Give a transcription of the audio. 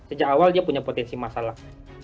sejak awal dia punya potensi masalah